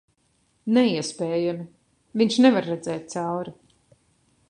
Neiespējami. Viņš nevar redzēt cauri...